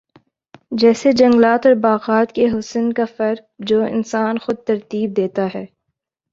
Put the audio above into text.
جیسے جنگلات اور باغات کے حسن کا فرق جو انسان خود ترتیب دیتا ہے